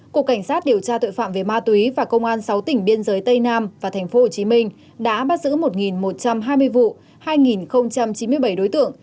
cục cảnh sát điều tra tội phạm về ma túy và công an sáu tỉnh biên giới tây nam và tp hcm đã bắt giữ một một trăm hai mươi vụ hai chín mươi bảy đối tượng